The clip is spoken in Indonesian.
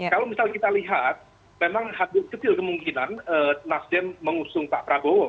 kalau misalnya kita lihat memang hampir kecil kemungkinan nasdem mengusung pak prabowo